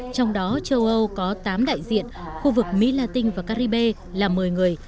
trong đó châu âu có tám đại diện khu vực mỹ latin và caribe là một mươi người